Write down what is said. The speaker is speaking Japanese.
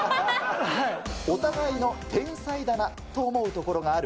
お互いの天才だなと思うところがある。